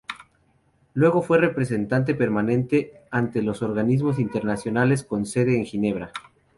Luego fue Representante Permanente ante los Organismos Internacionales con sede en Ginebra.